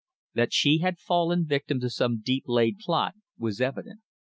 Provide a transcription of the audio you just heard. That she had fallen victim to some deep laid plot was evident.